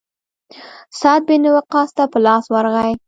سعد بن وقاص ته په لاس ورغی.